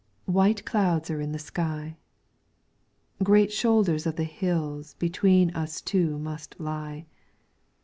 White clouds are in the sky. Great shoulders of the hills Between us two must lie.